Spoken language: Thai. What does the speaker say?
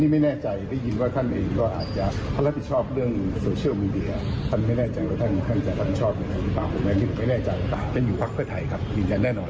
ไม่แน่ใจว่าอยู่หักเพื่อไทยจริงจันแน่นอน